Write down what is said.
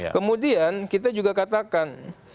kemudian kita juga katakan